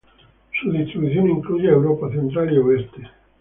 Su distribución incluye a Europa central y oeste.